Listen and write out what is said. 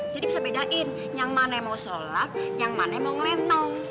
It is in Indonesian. jadi bisa bedain yang mana mau sholat yang mana mau ngelentong